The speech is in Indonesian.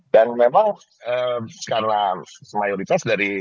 dan memang karena mayoritas dari